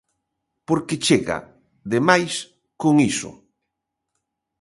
Porque chega, demais, con iso.